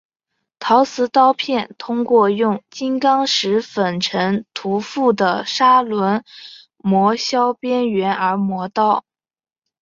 陶瓷刀片通过用金刚石粉尘涂覆的砂轮磨削边缘而磨刀。